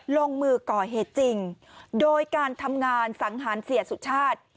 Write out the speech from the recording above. ลงมือก่อเหตุจริงโดยการทำงานสังหารเสียสุชาติ